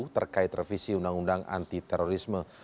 terkait revisi undang undang anti terorisme